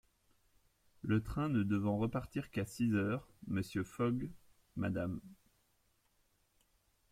Le train ne devant repartir qu’à six heures, Mr. Fogg, Mrs.